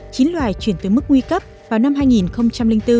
tăng từ mức nguy cấp vào năm hai nghìn bốn